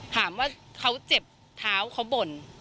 ถามว่าเขาเจ็บเท้าเขาบ่น